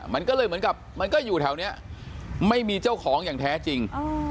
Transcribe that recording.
มันก็เลยเหมือนกับมันก็อยู่แถวนี้ไม่มีเจ้าของอย่างแท้จริง